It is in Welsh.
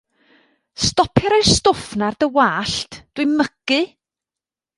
Stopia roi'r stwff 'na ar dy wallt, dw i'n mygu.